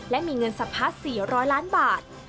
และมีเงินสะพัด๔๐๐ล้านบาท